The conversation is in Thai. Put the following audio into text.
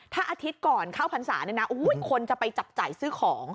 ถ้าอาทิตย์ก่อนเข้าพรรษาเนี่ยนะคนจะไปจับจ่ายซื้อของ